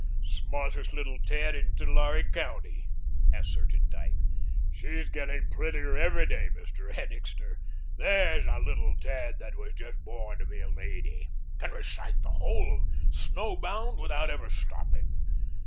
"Smartest little tad in Tulare County," asserted Dyke. "She's getting prettier every day, Mr. Annixter. THERE'S a little tad that was just born to be a lady. Can recite the whole of 'Snow Bound' without ever stopping.